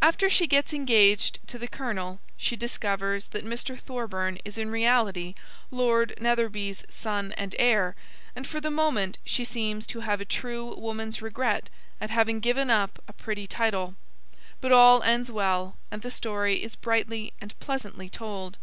After she gets engaged to the Colonel she discovers that Mr. Thorburn is in reality Lord Netherby's son and heir, and for the moment she seems to have a true woman's regret at having given up a pretty title; but all ends well, and the story is brightly and pleasantly told.